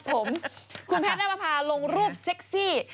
ผมคุณแพทย์นับประพาลงรูปเซ็กซี่